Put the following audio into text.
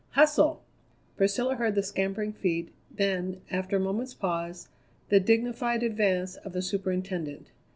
Hustle!" Priscilla heard the scampering feet, then, after a moment's pause, the dignified advance of the superintendent.